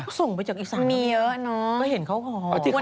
เขาส่งไปจากอีก๓นาทีแล้วนะครับก็เห็นเขาพอมีเยอะน้อย